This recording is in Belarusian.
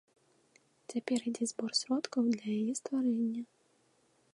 Цяпер ідзе збор сродкаў для яе стварэння.